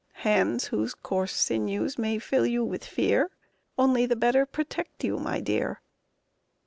Hands whose coarse sinews may fill you with fear Only the better protect you, my dear!